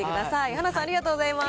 はなさん、ありがとうございます。